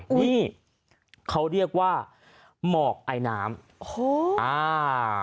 นี่เขาเรียกว่าหมอกไอน้ำ